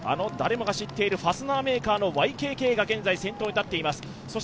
誰もがしっているファスナーメーカーのＹＫＫが現在先頭に立っています。